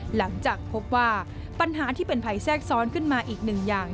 หลังจากพบว่าปัญหาที่เป็นภัยแทรกซ้อนขึ้นมาอีกหนึ่งอย่าง